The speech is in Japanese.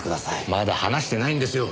まだ話してないんですよ